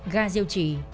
gà rêu trì